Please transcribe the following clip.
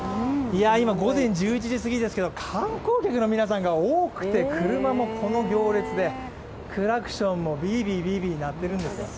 今、午前１１時すぎですけども観光客の皆さんが多くて車もこの行列で、クラクションもビービー鳴ってるんです。